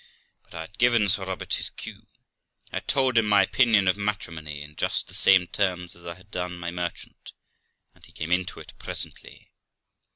But I had given Sir Robert his cue. I had told him my opinion of matrimony, in just the same terms as I had done my merchant, and he came into it presently.